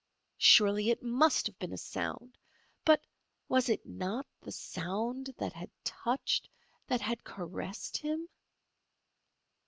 Surely it must have been a sound. But, was it not the sound that had touched, that had caressed him?